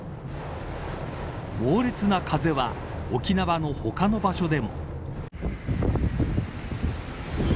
猛烈な風は沖縄の他の場所でも。